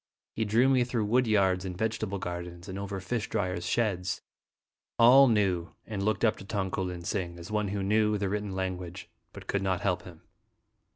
He drew me through woody ards and vegetable gardens, and over fish dryers' sheds. All knew and looked up to Tong ko lin sing as one who knew the written language, but could not help him.